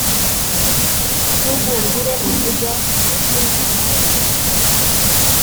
cyugumbire injunga y'injuma ya nyoko